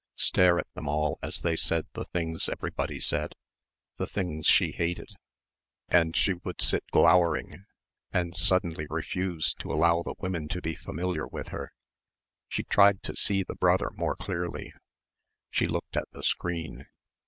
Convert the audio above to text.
Stare at them all as they said the things everybody said, the things she hated; and she would sit glowering, and suddenly refuse to allow the women to be familiar with her.... She tried to see the brother more clearly. She looked at the screen.